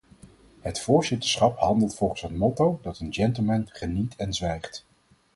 Het voorzitterschap handelt volgens het motto dat een gentleman geniet en zwijgt.